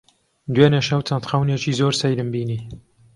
دوێنێ شەو چەند خەونێکی زۆر سەیرم بینی.